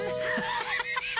ハハハハハ！